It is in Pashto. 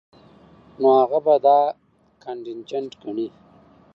نو هغه به دا کانټنجنټ ګڼي